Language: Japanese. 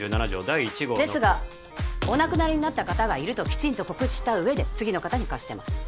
第１号のですがお亡くなりになった方がいるときちんと告知した上で次の方に貸してます